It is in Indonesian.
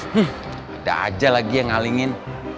hmm ada aja lagi yang ngalingin